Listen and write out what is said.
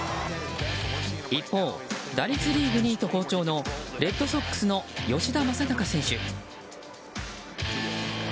一方、打率リーグ２位と好調のレッドソックスの吉田正尚選手。